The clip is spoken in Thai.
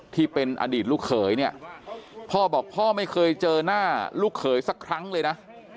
ที่เป็นอดีตลูกเขยเนี่ยพ่อบอกพ่อไม่เคยเจอหน้าลูกเขยสักครั้งเลยนะ